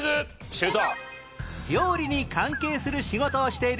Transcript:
シュート！